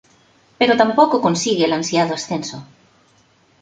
Pero tampoco consigue el ansiado ascenso.